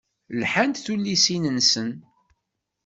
Lhant tullisin-nsen.